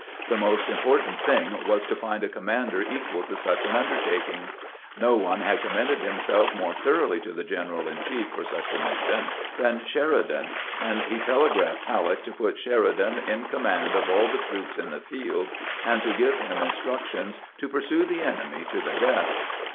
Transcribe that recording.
The most important thing was to find a commander equal to such an undertaking. No one had commended himself more thoroughly to the general in chief for such a mission than Sheridan, and he telegraphed Halleck to put Sher idan in command of all the troops in the field, and to give him instructions to pursue the enemy to the death.